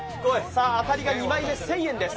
当たりが２枚目、１０００円です。